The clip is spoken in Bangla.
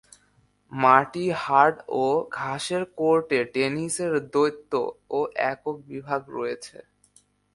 মাটি, হার্ড ও ঘাসের কোর্টে টেনিসের দ্বৈত ও একক বিভাগ রয়েছে।